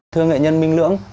thưa nghệ nhân minh lưỡng